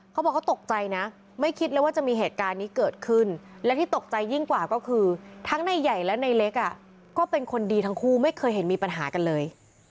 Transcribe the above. เขาบอกเขาตกใจนะไม่คิดเลยว่าจะมีเหตุการณ์นี้เกิดขึ้นและที่ตกใจยิ่งกว่าก็คือทั้งในใหญ่และในเล็กก็เป็นคนดีทั้งคู่ไม่เคยเห็นมีปัญหากันเลย